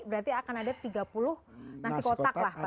berarti akan ada tiga puluh nasi kotak lah